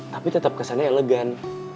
tapi tetep kesannya elegan